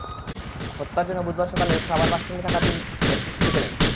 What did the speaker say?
হত্যার জন্য বুধবার সকালে সাভার বাসস্ট্যান্ড এলাকা থেকে তিনি একটি ছুরি কেনেন।